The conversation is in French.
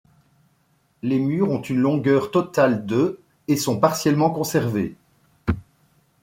Les murs ont une longueur totale de et sont partiellement conservés.